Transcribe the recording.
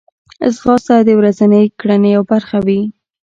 ځغاسته د ورځنۍ کړنې یوه برخه وي